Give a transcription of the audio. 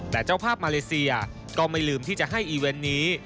แต่เจ้าภาพมาเลเซียก็ไม่ลืมที่จะให้อีเวนต์นี้